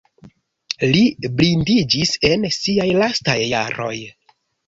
Li blindiĝis en siaj lastaj jaroj.